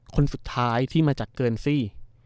คนสุดท้ายที่มาจากเกินซี่